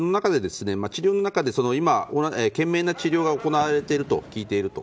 その中で今、懸命な治療が行われていると聞いていると。